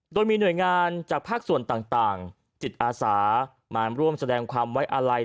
โดยมีหน่วยงานจากภาคส่วนต่างจิตอาสามาร่วมแสดงความไว้อาลัย